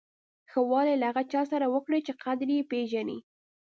ښه والی له هغه چا سره وکړه چې قدر یې پیژني.